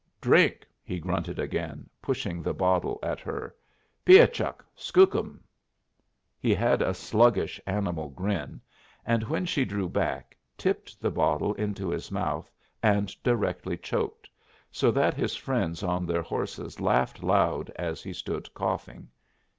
"Drink," he grunted again, pushing the bottle at her. "Piah chuck! Skookurn!" He had a slugglish animal grin, and when she drew back, tipped the bottle into his mouth, and directly choked, so that his friends on their horses laughed loud as he stood coughing.